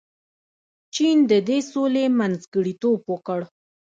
چین د دې سولې منځګړیتوب وکړ.